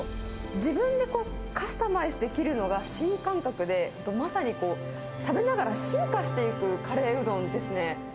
自分でこうカスタマイズできるのが、新感覚で、まさにこう、食べながら進化していくカレーうどんですね。